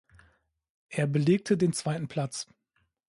Er belegte den zweiten Platz.